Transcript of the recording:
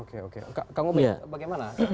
oke oke kau mau bilang bagaimana